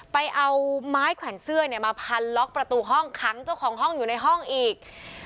ไปเอาไม้แขวนเสื้อมาพันล็อกประตูห้องขังเจ้าของห้องอยู่ในห้องอีก